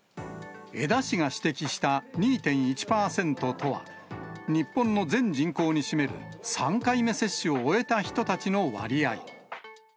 江田氏が指摘した２．１％とは、日本の全人口に占める３回目接種を終えた人たちの割合。